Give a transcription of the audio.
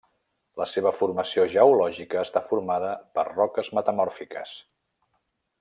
La seva formació geològica està formada per roques metamòrfiques.